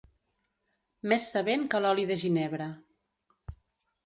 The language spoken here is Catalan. Més sabent que l'oli de ginebre.